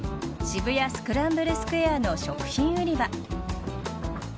渋谷スクランブルスクエアの食品売り場。